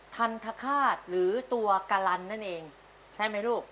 ทันทคาตหรือตัวกะลันนั่นเองใช่ไหมลูก